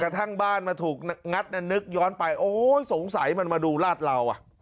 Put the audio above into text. ทั้งบ้านมาถูกงัดนึกย้อนไปโอ้ยสงสัยมันมาดูลาดเราอ่ะ